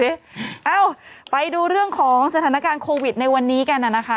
เอ้าไปดูเรื่องของสถานการณ์โควิดในวันนี้กันนะคะ